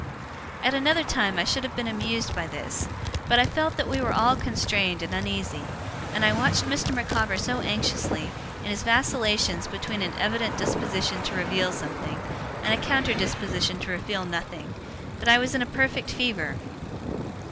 At another time I should have been amused by this; but I felt that we were all constrained and uneasy, and I watched Mr. Micawber so anxiously, in his vacillations between an evident disposition to reveal something, and a counter disposition to reveal nothing, that I was in a perfect fever.